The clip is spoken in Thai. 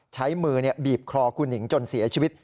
ใช้มือบีบคอคุณหนิงจนเสียชีวิต